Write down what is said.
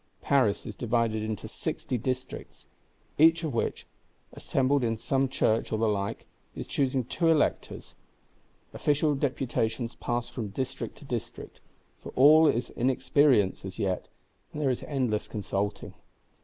Paris is divided into Sixty Districts; each of which (assembled in some church, or the like) is choosing two Electors. Official deputations pass from District to District, for all is inexperience as yet, and there is endless consulting.